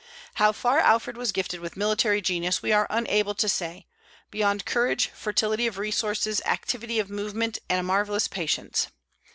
How far Alfred was gifted with military genius we are unable to say, beyond courage, fertility of resources, activity of movement, and a marvellous patience.